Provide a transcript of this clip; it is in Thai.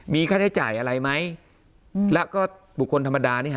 มีค่าใช้จ่ายอะไรไหมแล้วก็บุคคลธรรมดานี่ฮะ